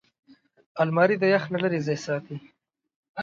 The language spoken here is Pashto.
الماري د یخ نه لېرې ځای ساتي